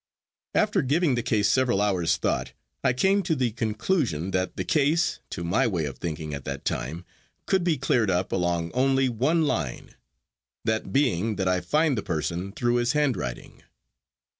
After giving the case several hours' thought, I came to the conclusion that the case, to my way of thinking at that time, could be cleared up along only one line, that being that I find the person through his handwriting.